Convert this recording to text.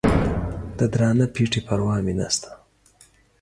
د درانه پېټي پروا مې نسته